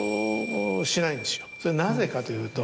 それなぜかというと。